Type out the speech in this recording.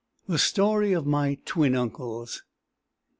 THE STORY OF MY TWIN UNCLES.